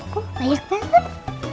aku banyak banget